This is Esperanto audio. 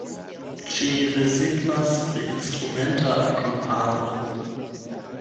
Ĝi rezignas pri instrumenta akompano.